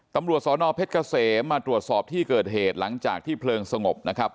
ตำรวจสอนอเพชรเกษมมาตรวจสอบที่เกิดเหตุหลังจากที่เพลิงสงบนะครับ